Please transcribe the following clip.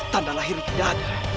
tanda lahirnya ada